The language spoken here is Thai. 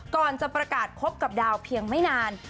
ก่อนจะประกาศพบกับดาวเพียงไม่นาน